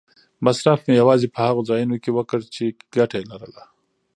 مصرف مې یوازې په هغو ځایونو کې وکړ چې ګټه یې لرله.